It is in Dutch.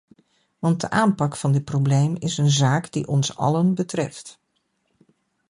Want de aanpak van dit probleem is een zaak die ons allen betreft.